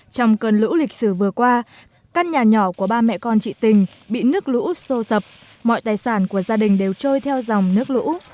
trong cơn lũ lịch sử vừa qua căn nhà nhỏ của ba mẹ con chị tình bị nước lũ sô sập mọi tài sản của gia đình đều trôi theo dòng nước lũ